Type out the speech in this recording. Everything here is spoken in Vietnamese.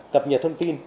cập nhật thông tin